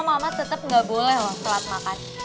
mama tetep gak boleh loh telat makan